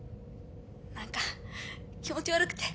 何か気持ち悪くて。